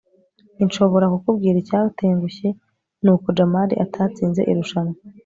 inshobora kukubwira icyatengushye nuko jamali atatsinze irushanwa